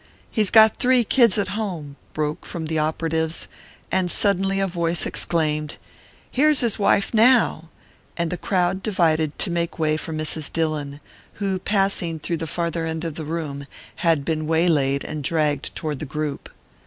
He's got three kids at home," broke from the operatives; and suddenly a voice exclaimed "Here's his wife now," and the crowd divided to make way for Mrs. Dillon, who, passing through the farther end of the room, had been waylaid and dragged toward the group.